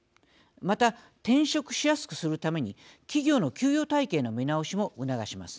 また、転職しやすくするために企業の給与体系の見直しも促します。